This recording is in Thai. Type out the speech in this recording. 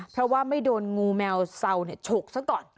เพราะว่าไม่โดนงูแมวเศร้าเนี่ยฉุกซะก่อน